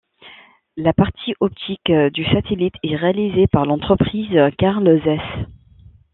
La partie optique du satellite est réalisée par l'entreprise Carl Zeiss.